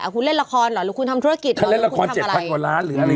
อ่ะคุณเล่นละครหรือคุณทำธุรกิจหรือคุณทำอะไรถ้าเล่นละครเจ็ดพันกว่าร้านหรืออะไร